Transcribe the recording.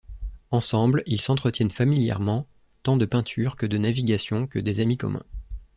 Ensemble, il s’entretiennent familièrement tant de peinture, que de navigation, que des amis communs.